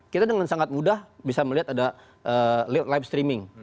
kita dengan sangat mudah bisa melihat ada live streaming